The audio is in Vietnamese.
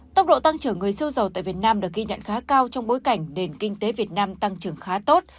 tốc độ tăng trưởng người sâu dầu tại việt nam được ghi nhận khá cao trong bối cảnh nền kinh tế việt nam tăng trưởng khá tốt